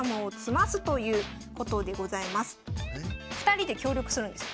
２人で協力するんです。